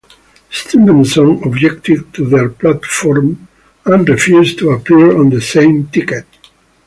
Stevenson objected to their platform and refused to appear on the same ticket.